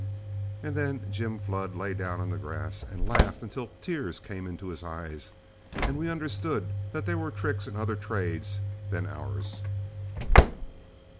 And then Jim Flood lay down on the grass and laughed until the tears came into his eyes, and we understood that there were tricks in other trades than ours.